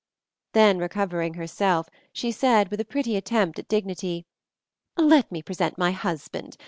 Then, recovering herself, she said, with a pretty attempt at dignity, "Let me present my husband.